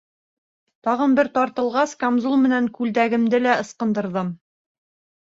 Тағын бер тартылғас, камзул менән күлдәгемде лә ыскындырҙым.